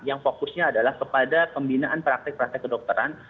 yang fokusnya adalah kepada pembinaan praktik praktik kedokteran